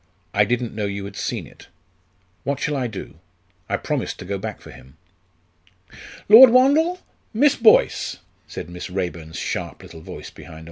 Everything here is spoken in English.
"I didn't know you had seen it. What shall I do? I promised to go back for him." "Lord Wandle Miss Boyce!" said Miss Raeburn's sharp little voice behind Aldous.